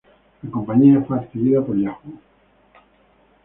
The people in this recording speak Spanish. La compañía fue adquirida por Yahoo!